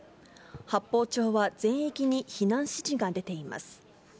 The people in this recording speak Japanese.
八峰町は、全域に避難指示が出ています。